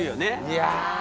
いや。